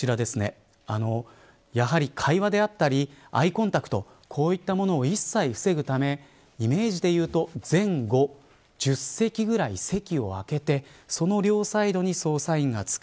やはり会話であったりアイコンタクトこういったものを一切防ぐためイメージで言うと前後１０席くらい席を空けてその両サイドに捜査員がつく。